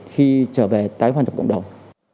khi trở về tái hòa nhập cộng đồng